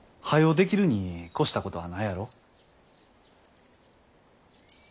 できるに越したことはないやろ。